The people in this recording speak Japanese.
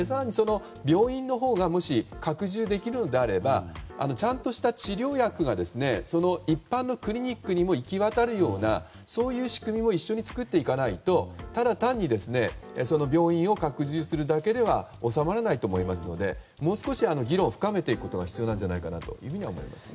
病院のほうがもし拡充できるのであればちゃんとした治療薬が一般のクリニックにも行き渡るような仕組みも一緒に作っていかないとただ単に病院を拡充するだけでは収まらないと思いますのでもう少し議論を深めていくことが必要じゃないかと思います。